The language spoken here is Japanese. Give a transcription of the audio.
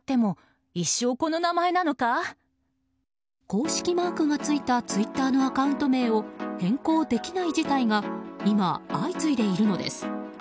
公式マークがついたツイッターのアカウント名を変更できない事態が今、相次いでいるのです。